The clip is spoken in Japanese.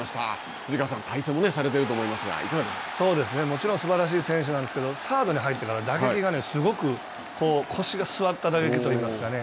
藤川さんも対戦もされていると思いますがもちろんすばらしい選手なんですけど、サードに入ってから打撃がすごくこう、腰が座った打撃といいますかね。